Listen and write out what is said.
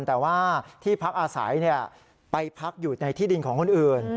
แต่ว่าที่พักอาศัยไปพักอยู่ในที่ดินของคนอื่น